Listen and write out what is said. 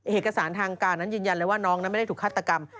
เหตุกระสานทางการนั้นยืนยันเลยว่าน้องไม่ได้ถูกคาดตกรรม